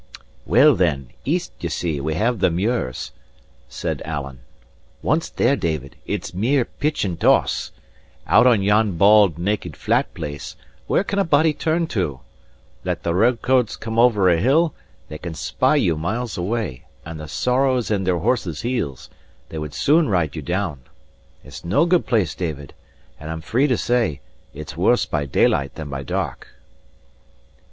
"Well, then, east, ye see, we have the muirs," said Alan. "Once there, David, it's mere pitch and toss. Out on yon bald, naked, flat place, where can a body turn to? Let the red coats come over a hill, they can spy you miles away; and the sorrow's in their horses' heels, they would soon ride you down. It's no good place, David; and I'm free to say, it's worse by daylight than by dark."